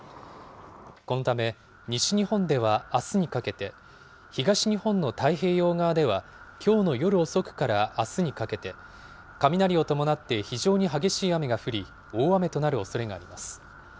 このため、西日本ではあすにかけて、東日本の太平洋側では、きょうの夜遅くからあすにかけて、雷を伴って非常に激しい雨が降り、大雨となるおそれがあります。